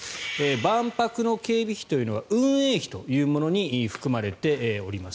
万博の警備費というのは運営費というものに含まれております。